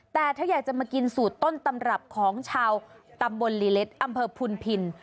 แต่ถ้าอยากจะมากินสูตรต้นตำรับของชาวตำบลลีเล็ดอำเภอพุนพิน